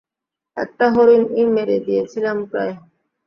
একটা হরিণ-ই মেরে দিয়েছিলাম প্রায়।